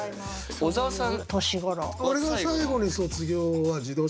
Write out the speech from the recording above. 小沢さん。